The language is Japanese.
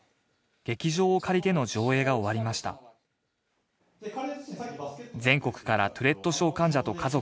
劇場を借りての上映が終わりました全国からトゥレット症患者と家族ら